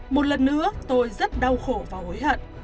một lần nữa tôi rất đau khổ và hối hận